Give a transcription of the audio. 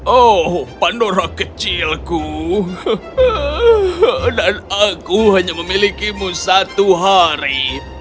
oh pandora kecilku dan aku hanya memilikimu satu hari